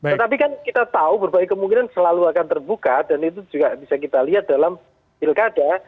tetapi kan kita tahu berbagai kemungkinan selalu akan terbuka dan itu juga bisa kita lihat dalam pilkada